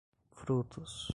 frutos